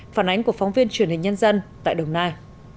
phản ánh của phóng viên truyền hình nhân dân tại đồng nai